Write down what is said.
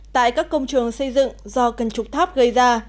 tại các công trường xây dựng do cân trục tháp gây ra